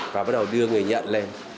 và bắt đầu đưa người nhận lên